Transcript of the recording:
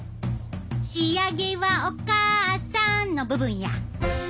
しあげはおかあさんの部分や。